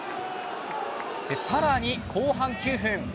さらに後半９分。